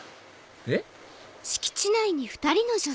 えっ？